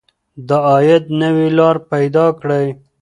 د عاید نوې لارې پیدا کړئ.